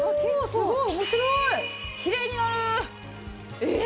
すごい！